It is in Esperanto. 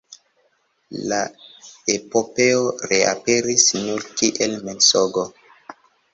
La epopeo reaperis nur kiel mensogo.